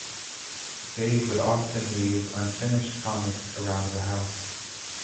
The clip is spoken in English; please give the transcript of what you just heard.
Dave would often leave unfinished comics around the house.